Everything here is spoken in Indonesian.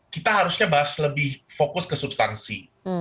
kita harusnya bahas lebih fokus ke substansi